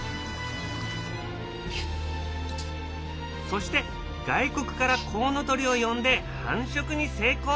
そして外国からコウノトリを呼んで繁殖に成功。